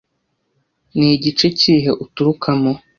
ni igice kihe uturukamo